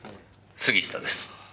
「杉下です」